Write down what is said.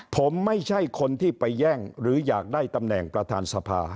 ผมไม่ใช่คนที่ไปแย่งหรืออยากได้ตำแหน่งประธานสภา